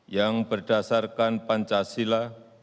yang berdasarkan pancasila